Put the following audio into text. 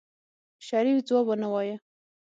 شريف ځواب ونه وايه.